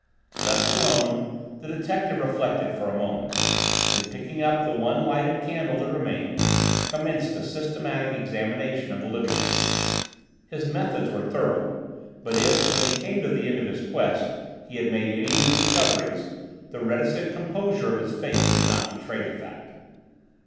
Left alone, the detective reflected for a moment, then picking up the one lighted candle that remained, commenced a systematic examination of the living room. His methods were thorough, but if, when he came to the end of his quest, he had made any new discoveries, the reticent composure of his face did not betray the fact.